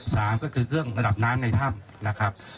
สามก็คือเครื่องระดับน้ำในถ้ำนะครับ